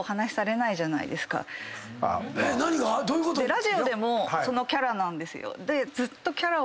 ラジオでもそのキャラなんですよ。